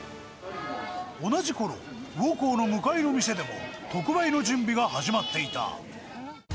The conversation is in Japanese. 同じころ、魚幸の向かいの店でも、特売の準備が始まっていた。